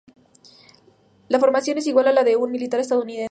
La formación es igual a la de un militar estadounidense.